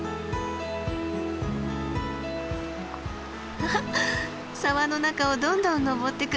アハ沢の中をどんどん登ってく。